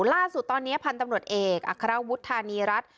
ล่าสุดตอนนี้พันธุ์ตำรวจเอกอัครวุฒานีรัฐ